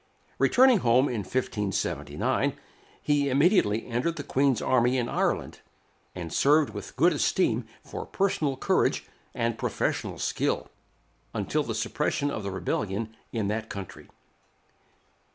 Returning home in 1579, he immediately entered the Queen's army in Ireland, and served with good esteem for personal courage and professional skill, until the suppression of the rebellion in that country.